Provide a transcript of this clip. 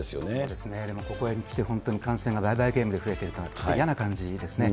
でもここへきて、本当に感染が倍々ゲームで増えているという、ちょっとやな感じですね。